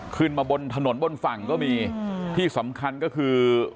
ขึ้นมาบนถนนบนฝั่งก็มีที่สำคัญก็คือ